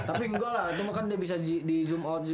tapi gua lah itu mah kan dia bisa di zoom out gitu